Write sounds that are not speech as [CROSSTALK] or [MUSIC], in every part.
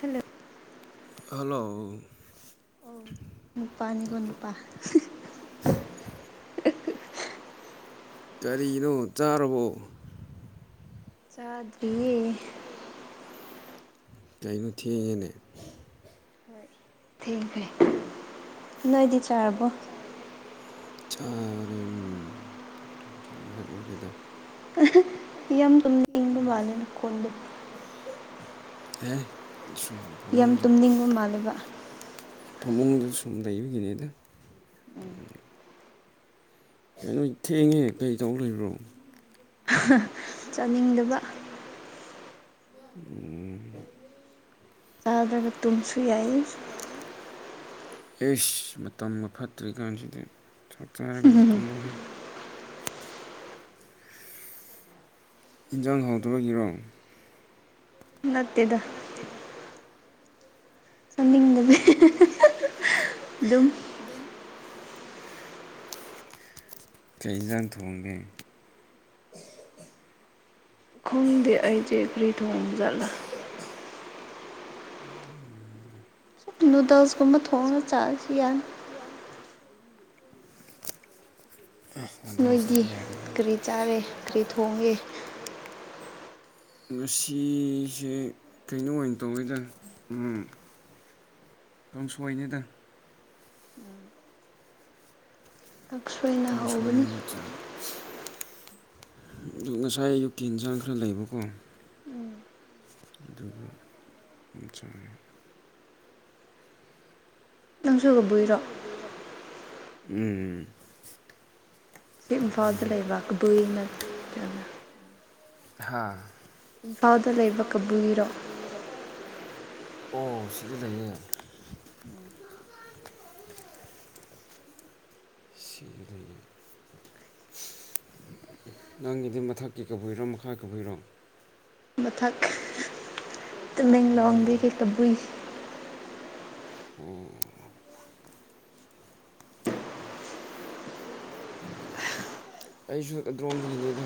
hello hello ꯅꯨꯄꯥꯅꯤꯀꯣ ꯅꯨꯄꯥ [UNINTELLIGIBLE] ꯀꯔꯤꯅꯣ ꯆꯥꯔꯕꯣ ꯆꯗ꯭ꯔꯤꯌꯦ ꯀꯩꯅꯣ ꯊꯦꯡꯉꯦꯅꯦ ꯍꯣꯏ ꯊꯦꯡꯈ꯭ꯔꯦ ꯅꯣꯏꯗꯤ ꯆꯥꯔꯕꯣ ꯇꯥꯕ ꯆꯥꯔꯦ ꯉꯁꯥꯏ ꯉꯥꯏꯍꯥꯛ ꯑꯣꯏꯔꯦꯗ ꯑꯗꯨꯛ ꯌꯥꯝ ꯇꯨꯝꯅꯤꯡꯕ ꯃꯥꯜꯂꯦ ꯑꯦ ꯁꯨꯝ ꯐꯃꯨꯡꯗ ꯐꯃꯨꯡꯗꯁꯨ ꯁꯨꯝ ꯂꯩꯕꯒꯤꯅꯤꯗ ꯀꯩꯅꫭ ꯅꯣꯏ ꯊꯦꯡꯉꯦ ꯀꯩ ꯇꯧ ꯂꯩꯕ꯭ꯔꯣ ꯆꯥꯅꯤꯡꯗꯕ ꯎꯝ ꯆꯥꯔꯗꯕ ꯆꯥꯗꯅ ꯇꯨꯡꯁꯨ ꯌꯥꯏꯌꯦ ꯑꯦꯁ ꯃꯇꯝꯒ ꯐꯠꯇ꯭ꯔꯤ ꯀꯥꯟꯁꯤꯗꯤ ꯆꯥꯛꯆꯥꯔꯒꯗꯤ ꯇꯨꯝꯃꯨꯍꯦ [UNINTELLIGIBLE] ꯏꯟꯖꯥꯡ ꯍꯥꯎꯇꯕꯒꯤꯔꯣ ꯅꯠꯇꯦꯗ ꯅꯠꯇꯦꯗ ꯆꯅꯤꯡꯗꯕꯅꯦ ꯑꯗꯨꯝ ꯑꯗꯨꯝ ꯀꯩ ꯏꯟꯖꯥꯡ ꯊꯣꯡꯒꯦ ꯈꯪꯗꯦ ꯑꯩꯖꯦ ꯀꯔꯤ ꯊꫭꯡꯖꯥꯠꯂ ꯁꯨꯝ ꯅꯨꯗꯜꯁ ꯀꯨꯝꯕ ꯊꫭꯡꯉ ꯆꯥꯏ ꯆꯥꯔꯁꯨ ꯌꯥꯏ ꯑꯟꯗꯣꯁꯗꯤ ꯍꯥꯏꯔ [UNINTELLIGIBLE] ꯉꯁꯤꯁꯦ ꯀꯩꯅꯣ ꯑꯣꯏꯅ ꯇꯧꯋꯤꯗ ꯎꯝ ꯀꯥꯡꯁꫭꯏꯅꯤꯗ ꯑꯛꯁꫭꯏ ꯀꯥꯡꯁꯣꯏ ꯑꯣꯏꯅ ꯆꯥꯏ ꯑꯗꯨ ꯉꯁꯥꯏ ꯑꯌꯨꯛꯀꯤ ꯏꯟꯖꯥꯡ ꯈꯔ ꯂꯩꯕꯀꯣ ꯎꯝ ꯑꯗꯨꯒ ꯆꯥꯔꯦ ꯅꯪꯁꯨ ꯀꯕꯨꯏꯔꫭ ꯎꯝ ꯁꯤꯝ ꯐꯥꯗ ꯂꯩꯕ ꯀꯗꯨꯏꯅ ꯍꯥꯥ ꯏꯝꯐꯥꯜꯗ ꯂꯩꯕ ꯀꯕꯨꯏꯔꯣ ꯑꯣ ꯁꯤꯗ ꯂꯩꯌꯦ ꯁꯤꯂꯩꯌꯦ ꯅꯪꯒꯤꯗꯤ ꯃꯊꯛꯀꯤ ꯀꯕꯨꯏꯔꯣ ꯃꯈꯥ ꯀꯕꯨꯏꯔꯣ ꯃꯊꯛ ꯇꯨꯝꯅꯤꯡꯂꫭꯡꯕꯤꯒꯤ ꯀꯕꯨꯨꯏ ꯑꯗꯨꯕꯤ [UNINTELLIGIBLE] ꯎꯝ ꯑꯩꯁꯨ ꯑꯗꫭꯝꯗꯒꯤꯅꯤꯗ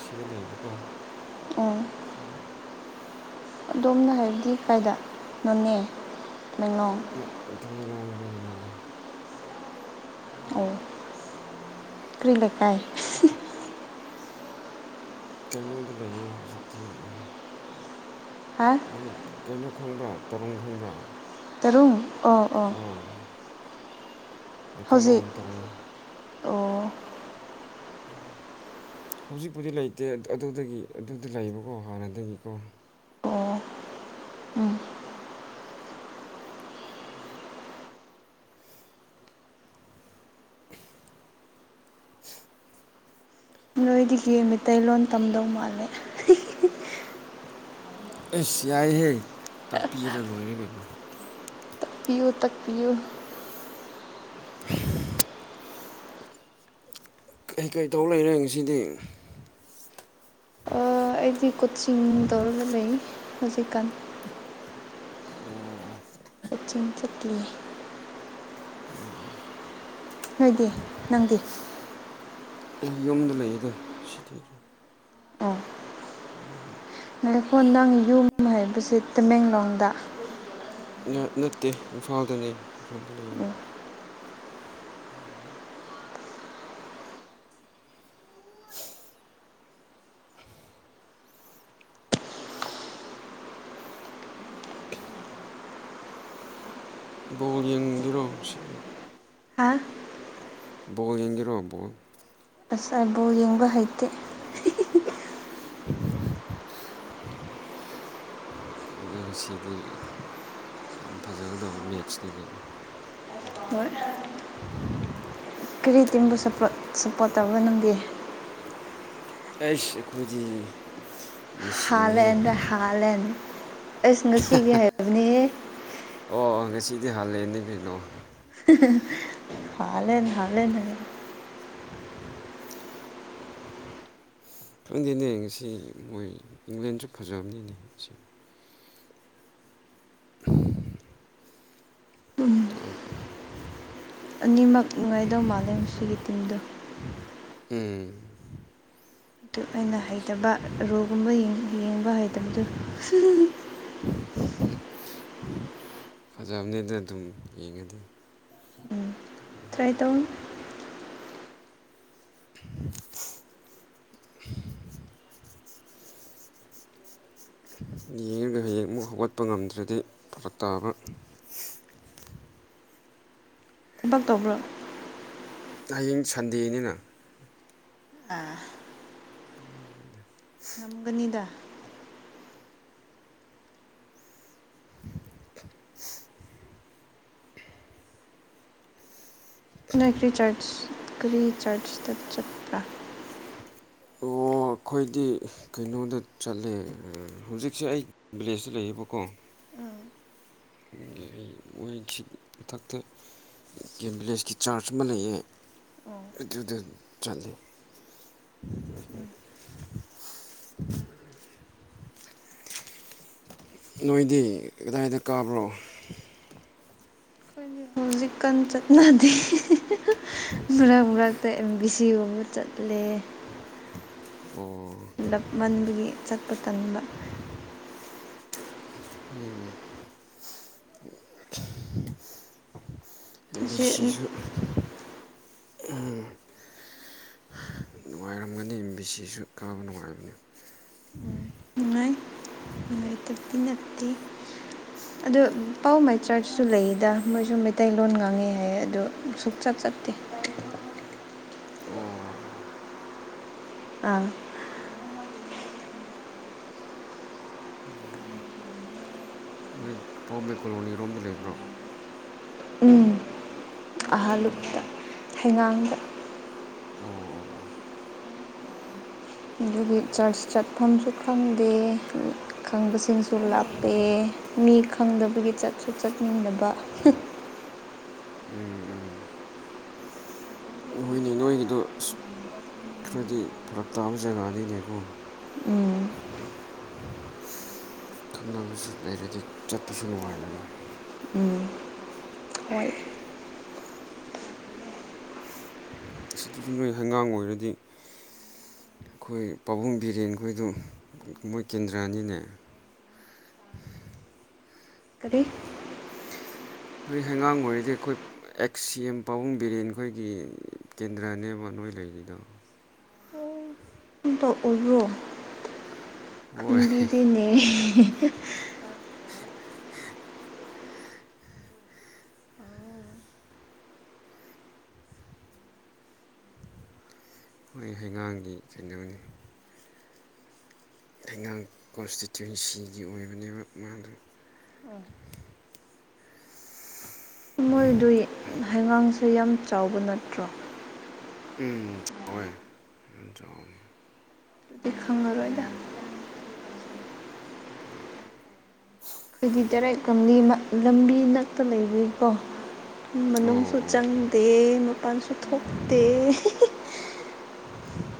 ꯁꯤꯗ ꯂꯩꯕꯀꯣ ꯎꯝ ꯇꯃꯤ ꯂꯣꯡ ꯂꯩꯅꯤꯅ [UNINTELLIGIBLE] ꯑꯣ ꯀꯔꯤ ꯂꯩꯀꯥꯏ ꯀꯩꯅꯣꯗ ꯂꯩꯌꯦ ꯍꯧꯖꯤꯛꯇꯤ ꯎꯝ ꯀꯩꯅꯣ ꯈꯪꯕ꯭ꯔꯥ ꯇꯔꯨꯡ ꯈꯪꯕ꯭ꯔꯥ ꯇꯔꯨꯡ ꯑꫭ ꯑꫭ ꯑꯦꯀꯥꯂꯣꯜ ꯇꯔꯨꯡ ꯑꯣ ꯍꯧꯖꯤꯛꯄꯨꯗꯤ ꯂꯩꯇꯦ ꯑꯗꯨꯗꯒꯤ ꯑꯗꯨꯗ ꯂꯩꯕꯀꯣ ꯍꯥꯟꯅꯗꯒꯤꯀꯣ [UNINTELLIGIBLE] ꯅꯣꯏꯗꯒꯤ ꯃꯤꯇꯩꯂꯣꯟ ꯇꯝꯗꯧ ꯃꯥꯜꯂꯦ ꯑꯦꯁ ꯌꯥꯏꯍꯦ ꯇꯥꯛꯄꯤꯔꯔ ꯂꯣꯏꯔ ꯀꯩꯅꯣ ꯇꯥꯛꯄꯤꯌꯨ ꯇꯥꯛꯄꯤꯌꯨ ꯀꯩ ꯀꯩ ꯇꯧ ꯂꯩꯔꯦ ꯉꯁꯤꯗꯤ ꯑꯩꯗꯤ ꯀꯣꯆꯤꯡ ꯇꯧꯔꯒ ꯂꯩ ꯍꯧꯖꯤꯛꯀꯥꯟ ꯑꯣ ꯀꯣꯆꯤꯡ ꯁꯨꯇꯤ ꯎꯝ ꯅꯣꯏꯗꯤ ꯅꯪꯗꯤ ꯌꯨꯝꯗ ꯂꯩꯌꯦꯗ ꯁꯤꯗꯤ ꯎꯝ ꯉꯥꯏꯈꯣ ꯅꯪꯗꯤ ꯨꯝ ꯍꯥꯏꯕꯁꯦ ꯇꯃꯦꯡꯂꯣꯡꯗ ꯅꯠꯇꯦ ꯏꯝꯐꯥꯜꯗꯅꯦ ꯏꯝꯐꯥꯜꯗ ꯂꯩꯌꯦ [INAUDIBLE] ꯕꯣꯜ ꯌꯦꯡꯒꯦꯔꯣ ꯁꯤꯗꯤ ꯍꯥꯥ ꯕꯣꯜ ꯌꯦꯡꯒꯦꯔꯣꯕꯣꯜ ꯑꯁ ꯑꯩ ꯕꯣꯜ ꯌꯦꯡꯕ ꯍꯩꯇꯦ [INAUDIBLE] ꯀꯩꯅꯣ ꯉꯁꯤꯗꯤ ꯌꯥꯝ ꯐꯖꯒꯗꯕ ꯃꯦꯠꯆꯅꯤ ꯀꯩꯅꯣ ꯍꯣꯏ ꯍ ꯀ꯭ꯔꯤ ꯇꯤꯝꯕꯨ ꯁꯄꯣꯔꯠ ꯑꯁꯈꯣꯏꯗꯤ ꯍꯥꯂꯦꯟꯗ ꯍꯥꯂꯦꯟ ꯑꯁ ꯉꯁꯤꯒꯤ ꯍꯥꯏꯕꯅꯤ ꯑꯣ ꯉꯁꯤꯗꯤ ꯍꯥꯂꯦꯟꯅꯦ ꯀꯩꯅꯣ ꯍꯂꯦꯟ ꯍꯂꯦꯟ ꯅ ꯈꯪꯗꯦꯅꯦ ꯉꯁꯤ ꯃꯣꯏ ꯏꯪꯂꯦꯟꯁꯨ ꯐꯖꯕꯅꯤꯅꯦ [INAUDIBLE] ꯊ [UNINTELLIGIBLE] ꯑꯅꯤꯃꯛ ꯅꯨꯡꯉꯥꯏꯗꯧ ꯃꯥꯜꯂꯦ ꯃꯁꯤꯒꯤ ꯇꯤꯝꯗꯣ ꯑꯗꯨ ꯑꯩꯅ ꯍꯩꯇꯕ ꯔꯣꯜꯒꯨꯝꯕ ꯌꯦꯡꯕ ꯍꯩꯇꯕꯗꯨ ꯐꯖꯕꯅꯦꯗ ꯑꯗꯨꯝ ꯌꯦꯡꯉꯗꯤ ꯇ꯭ꯔꯥꯏ ꯇꯧ [INAUDIBLE] ꯌꯦꯡꯉꯒ ꯍꯌꯦꯡ ꯑꯃꯨꯛ ꯍꯧꯒꯠꯄ ꯉꯝꯗ꯭ꯔꯗꯤ ꯐꯔꯛ ꯇꯥꯕ ꯊꯕꯛ ꯇꯧꯕ꯭ꯔꯣ ꯍꯌꯦꯡ ꯁꯟꯗꯦꯅꯤꯅ ꯑꯥ ꯅ ꯀꯅꯤꯗ [INAUDIBLE] ꯅ ꯀ꯭ꯔꯤ ꯆꯔꯆ ꯀꯒ꯭ꯔꯤ ꯆꯔꯆꯇ ꯆꯠꯄ꯭ꯔꯥ ꯑꯣ ꯑꯩꯈꯣꯏꯗꯤ ꯀꯩꯅꯣꯗ ꯆꯠꯂꯦ ꯍꯧꯖꯤꯛꯁꯦ ꯑꯩ ꯕ꯭ꯂꯦꯖꯗ ꯂꯩꯌꯦꯕꯀꯣ ꯎꯝ ꯃꯣꯏꯁꯤ ꯃꯊꯛꯇ ꯀꯦꯝ ꯚꯤꯂꯦꯖꯀꯤ ꯆꯥꯔꯆ ꯑꯃ ꯂꯩꯌꯦ ꯑꯗꯨ ꯑꯗꯨꯗ ꯆꯂꯦ ꯅꯣꯏꯗꯤ ꯀꯗꯥꯏꯗ ꯀꯥꯕ꯭ꯔꯣ ꯑꯩꯈꯣꯏꯒꯤ ꯍꯧꯖꯤꯛꯀꯥꯟ ꯆꯠꯅꯗꯦ ꯃꯔꯛ ꯃꯔꯛꯇ ꯑꯦꯝ ꯕꯤ ꯁꯤꯒꯨꯝꯕ ꯆꯠꯂꯦ ꯑꯣ ꯂꯞ ꯃꯟꯕꯒꯤ ꯆꯠꯄ ꯇꯟꯕ ꯎꯝ ꯑꯦꯝꯕꯤ ꯁꯤꯁꯨ ꯎꯝ ꯅꯨꯡꯉꯥꯏꯔꯝꯒꯅꯤ ꯑꯦꯝ ꯕꯤ ꯁꯤꯁꯨ ꯀꯥꯕ ꯅꯨꯡꯉꯥꯏꯕꯅꯤ ꯅꯨꯡꯉꯥꯢ ꯅꯨꯡꯉꯥꯢꯇꯕꯗꯤ ꯅꯠꯇꯦ ꯑꯗꯣ ꯄꯥꯎ ꯃꯥꯏ ꯆ꯭ꯔꯁꯨ ꯂꯩꯗ ꯃꯣꯏꯁꯨ ꯃꯩꯇꯩꯂꯣꯟ ꯉꯥꯡꯉꯤ ꯍꯥꯏ ꯑꯗꯨ ꯁꯨꯛꯆꯞ ꯆꯞꯇꯦ ꯑꯣ ꯑꯥ ꯑ ꯅꯣꯏ ꯄꯥꯝꯕꯩ ꯀꯣꯂꯣꯅꯤꯔꯣꯝꯗ ꯂꯩꯕ꯭ꯔꯣ ꯎꯝ ꯑꯍꯥꯜꯂꯨꯞꯇ ꯍꯩꯉꯥꯡꯗ ꯑꯣ ꯑꯣ ꯑꯣ ꯑꯗꯨꯒꯤ ꯆꯔꯆ ꯆꯠꯐꯝꯁꯨ ꯈꯪꯗꯦ ꯈꯪꯕꯁꯤꯡꯁꯨ ꯂꯥꯞꯄꯦ ꯃꯤ ꯈꯪꯗꯕꯒꯤ ꯆꯠꯁꯨ ꯆꯠꯅꯤꯡꯗꯕ ꯎꯝ ꯎꯝ ꯅꯣꯏꯅꯦ ꯅꯣꯏꯒꯤꯗꯣ ꯈꯔꯗꯤ ꯐꯔꯛ ꯇꯥꯕ ꯖꯒꯥꯅꯤꯅꯦꯀꯣ ꯎꯝ ꯈꯪꯅꯕꯁꯨ ꯂꯩꯔꯗꯤ ꯆꯠꯄꯁꯨ ꯅꯨꯡꯉꯥꯏꯕꯅꯤ ꯢꯁ ꯇꯨꯗꯤ ꯅꯣꯏ ꯍꯩꯉꯥꯡ ꯑꯣꯏꯔꯗꯤ ꯑꯩꯈꯣꯏ ꯄꯥꯕꯨꯡ ꯕꯤꯔꯦꯟꯈꯣꯏꯗꯨ ꯃꯣꯏ ꯀꯦꯟꯗ꯭ꯔꯅꯤꯅꯦ ꯀꯔꯤ ꯅꯣꯏ ꯍꯩꯉꯥꯡ ꯑꯣꯏꯔꯤꯗꯤ ꯑꯩꯈꯣꯏ ꯑꯦꯛ ꯁꯤ ꯑꯦꯝ ꯄꯥꯕꯨꯡ ꯕꯤꯔꯦꯟ ꯑꯩꯈꯣꯏꯒꯤ ꯀꯦꯟꯗ꯭ꯔꯅꯦꯕ ꯅꯣꯏ ꯂꯩꯔꯤꯗꯣ [UNINTELLIGIBLE] ꯈꯟꯕꯤꯗꯅꯦ ꯍꯣꯏ ꯍꯩꯉꯥꯡꯒꯤ [UNINTELLIGIBLE] ꯍꯩꯉꯥꯡ ꯀꯣꯟꯁꯇꯤꯇ꯭ꯋꯦꯟꯁꯤꯒꯤ ꯑꯣꯏꯕꯅꯦꯕ ꯃꯥꯗꯣ ꯎꯝ [UNINTELLIGIBLE] ꯃꯣꯏꯗꯨ ꯍꯩꯉꯥꯡꯁꯨ ꯌꯥꯝ ꯆꯥꯎꯕ ꯅꯠꯇ꯭ꯔꯣ ꯎꯝ ꯆꯥꯎꯋꯦ ꯎꯝ ꯆꯥꯎ [UNINTELLIGIBLE] ꯊꯕꯗ [UNINTELLIGIBLE] ꯑꯩꯈꯗꯤꯗꯔ [UNINTELLIGIBLE] ꯂꯝꯕꯤ ꯃꯛ ꯂꯝꯕꯤ ꯅꯛꯇ ꯂꯩꯕꯒꯤꯀꯣ ꯃꯅꯨꯡꯁꯨ ꯆꯪꯗꯦ ꯃꯄꯥꯟꯁꯨ ꯊꯣꯛꯇꯦ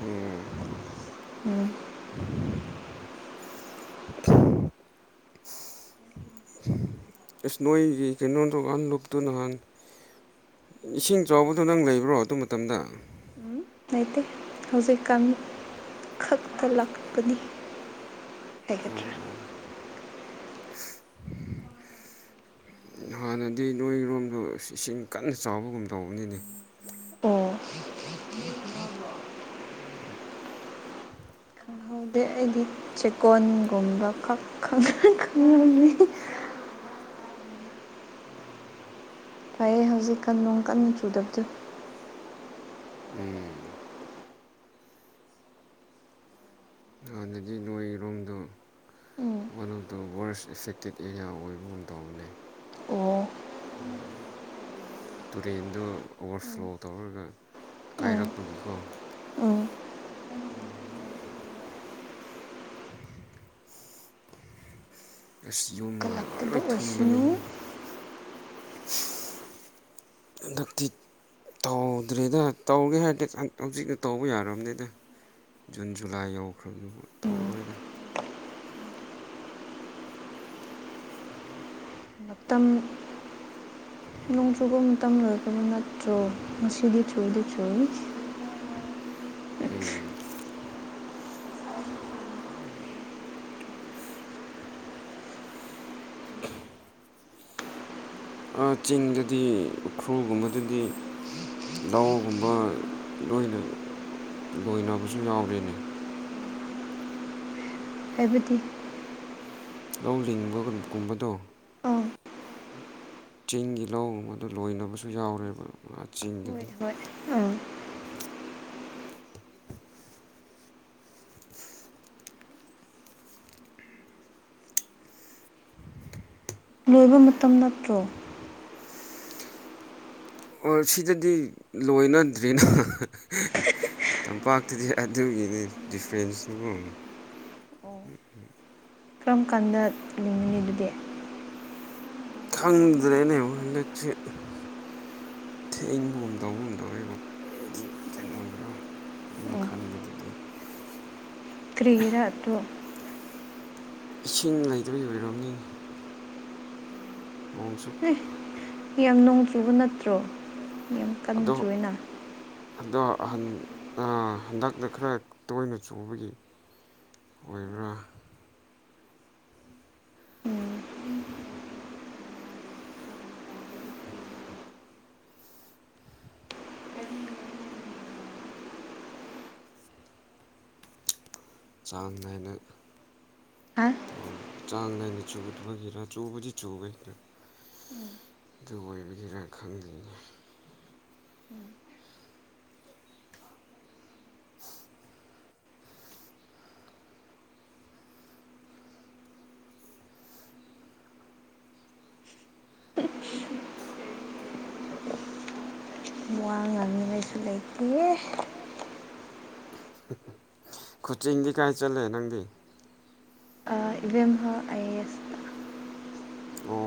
ꯎꯝ ꯎꯝ [UNINTELLIGIBLE] ꯏꯁ ꯅꯣꯏꯒꯤ ꯀꯩꯅꯣꯗꯣ ꯑꯍꯜꯅꯨꯞꯇꯣ ꯅꯍꯥꯟ ꯏꯁꯤꯡ ꯆꯥꯎꯕꯗꯣ ꯅꯪ ꯂꯩꯕ꯭ꯔꯣ ꯑꯗꯨ ꯃꯇꯝꯗ ꯂꯩꯇꯦ ꯍꯧꯖꯤꯛ ꯀꯥꯡꯂꯨꯞ ꯈꯛꯇ ꯂꯥꯛꯄꯅꯤ [UNINTELLIGIBLE] ꯍꯥꯟꯅꯗꯤ ꯅꯣꯏꯔꯣꯝꯗꯣ ꯏꯁꯤꯡ ꯀꯟꯅ ꯆꯥꯎꯕꯒꯨꯝ ꯇꯧꯕꯅꯤꯅꯦ [UNINTELLIGIBLE] ꯑ ꯑꯩꯗꯤ ꯆꯦꯛꯀꯣꯟꯒꯨꯝꯕ ꯈꯪꯉꯃꯤ ꯐꯌꯦ ꯍꯧꯖꯤꯛ ꯀꯟ ꯅꯣꯡ ꯀꯟꯅ ꯆꯨꯗꯕꯗꯨ ꯎꯝ ꯍꯟꯅꯥꯗꯤ ꯅꯣꯏꯔꯣꯝꯗꯣ one of the worst affected area ꯑꯣꯏꯕꯒꯨꯝ ꯇꯧꯕꯅꯦ [UNINTELLIGIBLE] ꯇꯨꯔꯦꯟꯗꯣ ꯑꯣꯚꯔꯐ꯭ꯂꯣ ꯇꯧꯔꯒ ꯀꯥꯏꯔꯛꯄꯒꯤꯀꯣ ꯑꯁ ꯌꯨꯝꯒ ꯂꯣꯏ ꯊꯨꯝꯕꯅꯦ [UNINTELLIGIBLE] ꯇꯧꯗ꯭ꯔꯤꯗ ꯇꯧꯒꯦ ꯍꯥꯏꯔꯗꯤ ꯍꯧꯖꯤꯛꯇ ꯇꯧꯕ ꯌꯥꯔꯕꯅꯤꯗ ꯖꯨꯟ ꯖꯨꯂꯥꯏ ꯌꯧꯈ꯭ꯔꯕꯅ ꯇꯧꯔꯔꯣꯏꯗ [UNINTELLIGIBLE] ꯃꯇꯝ [UNINTELLIGIBLE] ꯅꯣꯡ ꯆꯨꯕ ꯃꯇꯝ ꯂꯣꯏꯔꯒꯅꯤ ꯅꯠꯇ꯭ꯔꯣ ꯉꯁꯤꯗꯤ ꯊꯨꯗꯤ ꯊꯨ ꯎꯝ [UNINTELLIGIBLE] ꯆꯤꯡꯗꯗꯤ ꯎꯈ꯭ꯔꯨꯜꯒꯨꯝꯕꯗꯗꯤ ꯂꯧꯒꯨꯝꯕ ꯂꯣꯏꯅ ꯂꯣꯏꯅꯕꯁꯨ ꯌꯥꯎꯔꯤꯅꯦ ꯍꯥꯏꯕꯗꯤ ꯂꯧ ꯂꯤꯡꯕꯒꯨꯝꯕꯗꯣ ꯆꯤꯡꯒꯤ ꯂꯧ ꯑꯗꯨ ꯂꯣꯏꯅꯕꯁꯨ ꯌꯥꯎꯔꯦꯕ ꯆꯤꯡꯗꯗꯤ ꯂꯣꯏꯕ ꯃꯇꯝ ꯅꯠꯇ꯭ꯔꯣ ꯑꯣꯔ ꯁꯤꯗꯗꯤ ꯂꯣꯏꯅꯗ꯭ꯔꯦꯅ ꯇꯝꯄꯥꯛꯇꯗꯤ ꯑꯗꯨꯒꯤꯅꯤ ꯗꯤꯐ꯭ꯔꯦꯟꯁꯇꯨꯀꯣ ꯀꯔꯝ ꯀꯥꯟꯗ ꯂꯤꯡꯉꯅꯤ ꯑꯗꯨꯗꯤ ꯈꯪꯗ꯭ꯔꯦꯅꯦ ꯍꯟꯗꯛꯁꯤ ꯊꯦꯡꯕꯒꯨꯝ ꯇꯧꯕꯒꯨꯝ ꯇꯧꯔꯦꯀꯣ ꯑꯩꯒꯤ ꯀꯩꯅꯣꯗꯨꯒ ꯑꯩꯅ ꯈꯟꯕꯗꯗꯤ ꯀꯔꯤꯒꯤꯔꯥ ꯑꯗꯨ ꯏꯁꯤꯡ ꯂꯩꯇꯕꯒꯤ ꯑꯣꯏꯔꯝꯅꯤ ꯑꯦ ꯌꯥꯝ ꯅꯣꯡ ꯆꯨꯕ ꯅꯠꯇ꯭ꯔꯣ ꯌꯥꯝ ꯀꯟ ꯆꯨꯏꯅ ꯑꯗꯣ ꯍꯟꯗꯛꯅ ꯈꯔ ꯇꯣꯏꯅ ꯆꯨꯕꯒꯤ ꯑꯣꯏꯕ꯭ꯔꯥ ꯆꯥꯡ ꯅꯥꯏꯅ ꯊꯧ ꯆꯥꯡ ꯅꯥꯏꯅ ꯆꯨꯗꯕꯒꯤꯔ ꯆꯨꯕꯗꯤ ꯆꯨꯕꯒꯤꯔꯥ ꯑꯗꯨ ꯑꯣꯏꯕꯒꯤꯔꯥ ꯈꯪꯗꯦꯅꯦ [UNINTELLIGIBLE] [UNINTELLIGIBLE] ꯋꯥ ꯉꯥꯡꯅꯤꯉꯥꯏꯁꯨ ꯂꯩꯥꯇꯦ ꯈꯨꯆꯤꯡꯗꯤ ꯀꯥꯏ ꯆꯠꯂꯦ ꯅꯪꯗꯤ ꯏꯕꯦꯝꯍꯜ ꯑꯥꯢ ꯑꯦ ꯑꯁ ꯑꯣ